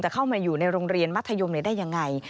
เข้ามาอยู่ในโรงเรียนมัธยมได้ยังไง